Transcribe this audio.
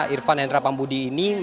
irfan hendra pambudi ini